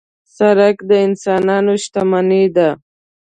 سړک د انسانانو شتمني ده.